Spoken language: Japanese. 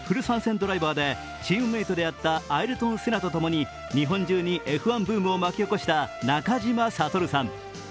ドライバーでチームメイトであったアイルトン・セナと共に日本中にＦ１ブームを起こした中嶋悟さん。